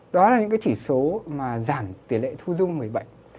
đó là những chỉ số giảm tiền lệ thu dung người bệnh